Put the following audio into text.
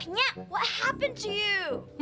nyak apa yang terjadi sama kamu